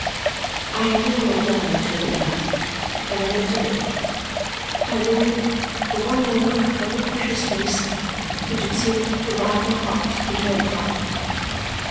I had given my darling to him now, and I meant to go; but I lingered for one more look of the precious face which it seemed to rive my heart to turn from.